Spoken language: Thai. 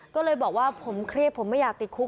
ก็เลยบอกว่าผมเครียดผมไม่อยากติดคุก